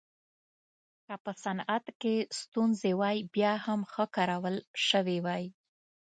که په صنعت کې ستونزې وای بیا هم ښه کارول شوې وای